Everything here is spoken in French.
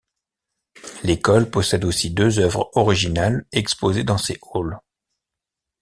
L'école possède aussi deux œuvres originales exposées dans ses halls.